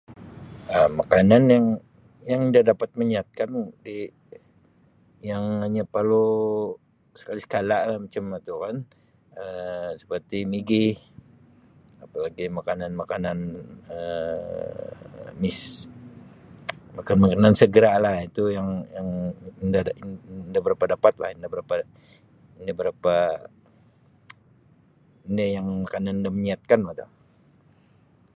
Um Makanan yang yang nda dapat menyihatkan di yang hanya parlu sekali sekala lah macam atu kan Um seperti migi apa lagi makanan-makanan Um [unintelligible] makanan-makanan segera lah itu yang yang nda nda berapa dapat lah nda berapa nda berapa ni makanan yang nda menyihatkan bah tu'.